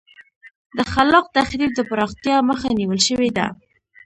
د خلاق تخریب د پراختیا مخه نیول شوې ده.